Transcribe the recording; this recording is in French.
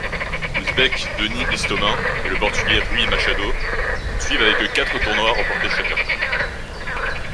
L'Ouzbek Denis Istomin et le Portugais Rui Machado suivent avec quatre tournois remportés chacun.